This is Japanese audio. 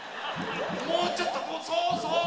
もうちょっとこうそうそう。